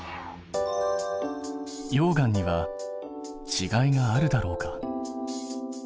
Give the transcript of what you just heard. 溶岩にはちがいがあるだろうか？